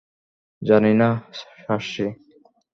জানি না, সার্সি!